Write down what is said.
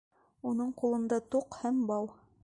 Уның ҡулында тоҡ һәм бау.